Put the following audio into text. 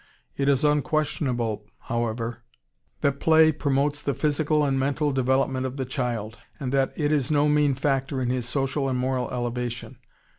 It is unquestionable, however, that play promotes the physical and mental development of the child, and that it is no mean factor in his social and moral elevation....